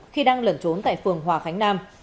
khi đang lẩn trốn tại phường hòa khánh nam